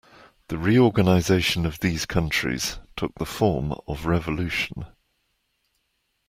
The reorganization of these countries took the form of revolution.